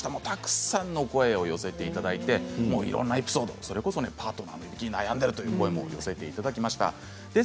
たくさんのお声を寄せていただいていろいろなエピソードそれこそパートナーのいびきに悩んでいるという声も寄せていただきました。